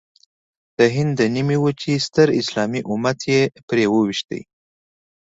د هند د نیمې وچې ستر اسلامي امت یې پرې وويشت.